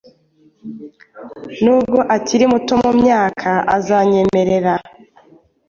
Nubwo akiri muto mumyakaazanyemerera